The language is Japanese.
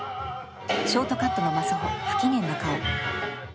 「ショートカットの真朱不機嫌な顔」。